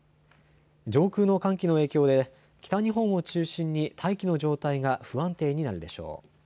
上空の寒気の影響で北日本を中心に大気の状態が不安定になるでしょう。